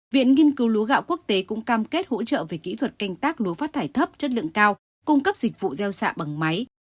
viện nghiên cứu lúa gạo quốc tế cũng cam kết hỗ trợ về kỹ thuật canh tác lúa phát thải thấp chất lượng cao cung cấp dịch vụ gieo xạ bằng máy